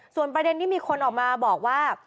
ส่วนประเด็นที่มีคนออกมาบอกว่า